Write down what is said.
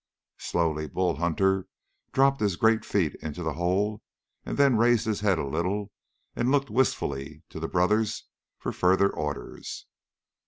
Slowly Bull Hunter dropped his great feet into the hole and then raised his head a little and looked wistfully to the brothers for further orders.